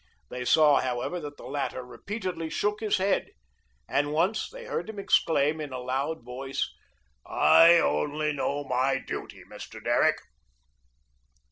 They saw, however, that the latter repeatedly shook his head and once they heard him exclaim in a loud voice: "I only know my duty, Mr. Derrick."